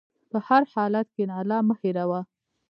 په هر حالت کښېنه، الله مه هېروه.